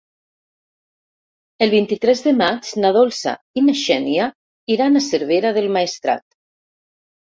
El vint-i-tres de maig na Dolça i na Xènia iran a Cervera del Maestrat.